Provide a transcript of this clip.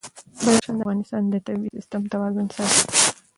بدخشان د افغانستان د طبعي سیسټم توازن ساتي.